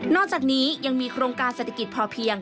อกจากนี้ยังมีโครงการเศรษฐกิจพอเพียง